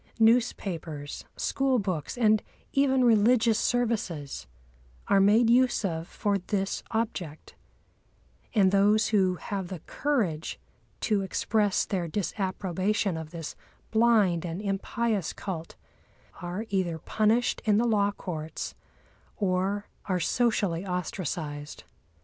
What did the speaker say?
Newspapers, school books, and even religious services are made use of for this object; and those who have the courage to express their disapprobation of this blind and impious cult are either punished in the law courts, or are socially ostracised.